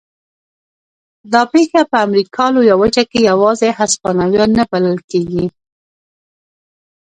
دا پېښه په امریکا لویه وچه کې یوازې هسپانویان نه بلل کېږي.